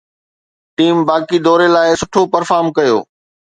team باقي دوري لاء سٺو پرفارم ڪيو